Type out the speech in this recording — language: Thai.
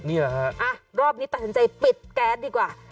นี่แหละฮะรอบนี้ตัดสินใจปิดแก๊สดีกว่า